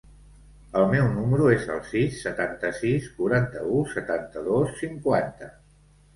El meu número es el sis, setanta-sis, quaranta-u, setanta-dos, cinquanta.